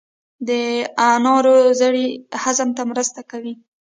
د انارو زړې هضم ته مرسته کوي.